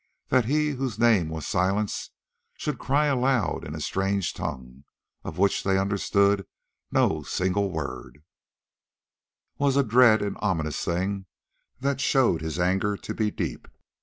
That he whose name was Silence should cry aloud in a strange tongue, of which they understood no single word, was a dread and ominous thing that showed his anger to be deep.